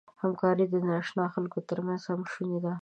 همکاري د ناآشنا خلکو تر منځ هم شونې ده.